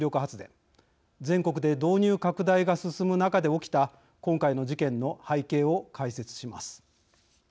全国で導入拡大が進む中で起きた今回の事件の背景を解説します。